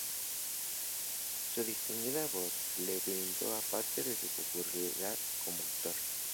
Su distinguida voz le brindó parte de su popularidad como actor.